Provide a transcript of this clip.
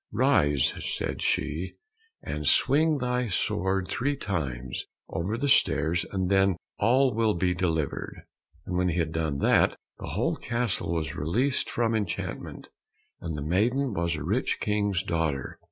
"Rise," said she, "and swing thy sword three times over the stairs, and then all will be delivered." And when he had done that, the whole castle was released from enchantment, and the maiden was a rich King's daughter.